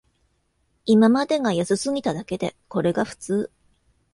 今までが安すぎただけで、これが普通